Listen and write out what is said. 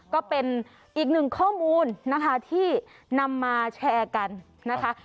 ก็เป็นอีกหนึ่งข้อมูลนะคะที่นำมาแชร์กันนะคะ